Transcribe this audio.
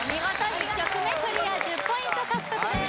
１曲目クリア１０ポイント獲得です